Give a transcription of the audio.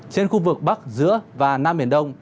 trên khu vực bắc giữa và nam biển đông